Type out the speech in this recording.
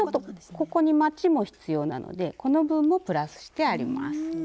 ここにまちも必要なのでこの分もプラスしてあります。